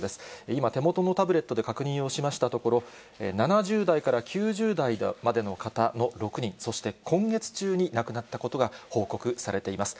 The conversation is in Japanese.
今、手元のタブレットで確認をしましたところ、７０代から９０代までの方の６人、そして今月中に亡くなったことが報告されています。